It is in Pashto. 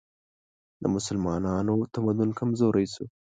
د مسلمانانو تمدن کمزوری شو